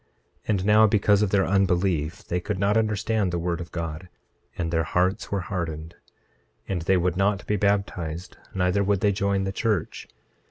26:3 And now because of their unbelief they could not understand the word of God; and their hearts were hardened. 26:4 And they would not be baptized; neither would they join the church.